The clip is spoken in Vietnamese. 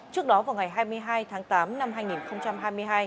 trước đó vào ngày hai mươi hai tháng tám năm hai nghìn hai mươi hai